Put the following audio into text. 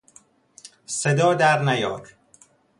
صدا در نیار!